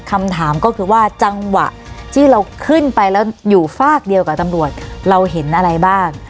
คำถามก็คือว่าจังหวะที่เราขึ้นไปแล้วอยู่ฝากเดียวกับตำรวจเราเห็นอะไรบ้าง